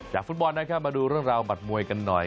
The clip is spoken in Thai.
ฟุตบอลนะครับมาดูเรื่องราวบัตรมวยกันหน่อย